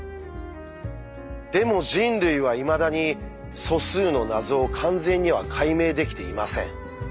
でも人類はいまだに素数の謎を完全には解明できていません。